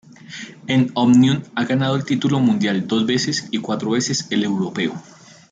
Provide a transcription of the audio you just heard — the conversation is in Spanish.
En ómnium ha ganado el título mundial dos veces y cuatro veces el europeo.